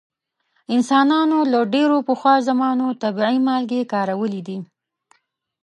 انسانانو له ډیرو پخوا زمانو طبیعي مالګې کارولې دي.